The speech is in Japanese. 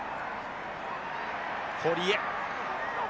堀江。